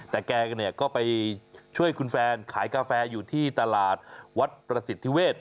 แต่แกเนี่ยก็ไปช่วยคุณแฟนขายกาแฟอยู่ที่ตลาดวัดประสิทธิเวศ